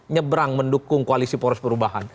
nyeberang mendukung koalisi polos perubahan